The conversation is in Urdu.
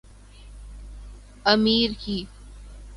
امیر کی